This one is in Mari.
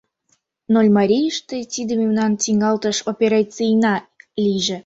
— Нольмарийыште тиде мемнан тӱҥалтыш операцийна лийже!